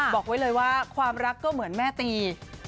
บอกไว้เลยว่าความรักก็เหมือนแม่ตี